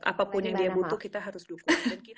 apapun yang dia butuh kita harus dukung